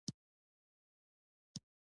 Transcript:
ازادي راډیو د طبیعي پېښې وضعیت انځور کړی.